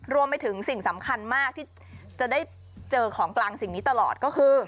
รวมไปถึงสิ่งสำคัญมากที่จะได้เจอของกลางสิ่งนี้ตลอดก็คือ